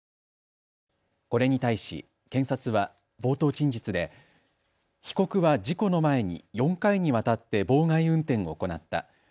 これに対し検察は冒頭陳述で被告は事故の前に４回にわたって妨害運転を行った。